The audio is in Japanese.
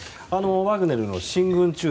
ワグネルの進軍中